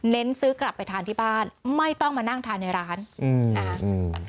เน้นซื้อกลับไปทานที่บ้านไม่ต้องมานั่งทานในร้านอืม